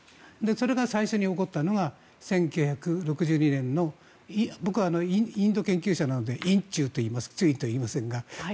それが最初に起こったのが１９６２年の僕はインド研究者なので印中と言います中印とは言いません。